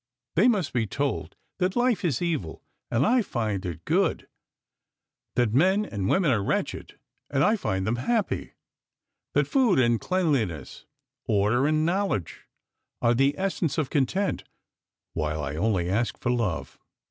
They must be told that life is evil, and I find it good ; that men and women are wretched, and I find them happy ; that THE POET'S ALLEGORY 209 food and cleanliness, order and knowledge are the essence of content while I only ask for love.